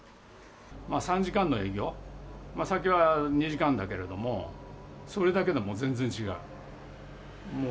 ３時間の営業、酒は２時間だけれども、それだけでも全然違う。